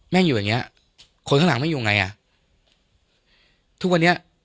่งอยู่อย่างเงี้ยคนข้างหลังไม่อยู่ไงอ่ะทุกวันนี้